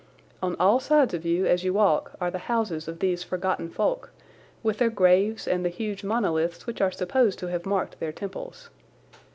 On all sides of you as you walk are the houses of these forgotten folk, with their graves and the huge monoliths which are supposed to have marked their temples.